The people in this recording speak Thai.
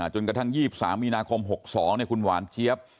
จนกระทั่ง๒๓มีนาคม๖๒คุณหวานเจี๊ยบ